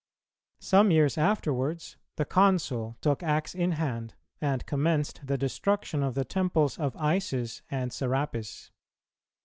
Some years afterwards the Consul took axe in hand, and commenced the destruction of the temples of Isis and Serapis.